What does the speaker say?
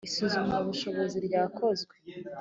isuzumabushobozi ryakozwe .